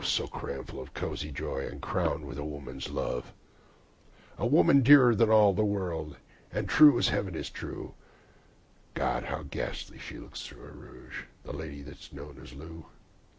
so cramful of cosy joy, and crowned with a woman's love A woman dearer than all the world, and true as Heaven is true (God! how ghastly she looks through her rouge, the lady that's known as Lou.)